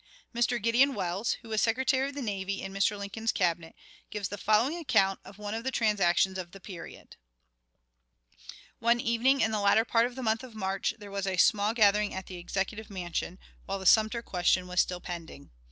Mr. Gideon Welles, who was Secretary of the Navy in Mr. Lincoln's Cabinet, gives the following account of one of the transactions of the period: "One evening in the latter part of the month of March, there was a small gathering at the Executive Mansion, while the Sumter question was still pending.